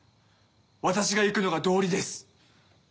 私が行くのが道理です。